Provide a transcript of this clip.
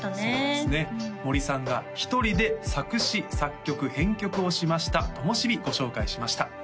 そうですね森さんが１人で作詞作曲編曲をしました「灯火」ご紹介しました